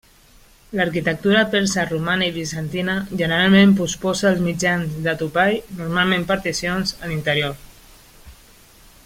L'arquitectura persa, romana i bizantina generalment posposa els mitjans de topall, normalment particions, a l'interior.